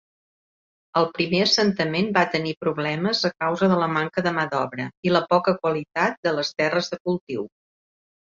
El primer assentament va tenir problemes a causa de la manca de mà d'obra i la poca qualitat de les terres de cultiu.